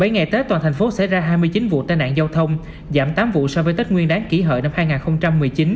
bảy ngày tết toàn thành phố xảy ra hai mươi chín vụ tai nạn giao thông giảm tám vụ so với tết nguyên đáng kỷ hợi năm hai nghìn một mươi chín